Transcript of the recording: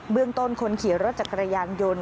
เรื่องต้นคนขี่รถจักรยานยนต์